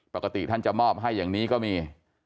ปกติท่านจะมอบให้อย่างนี้ก็มี